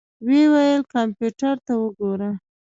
ويې ويل کمپيوټر ته وګوره.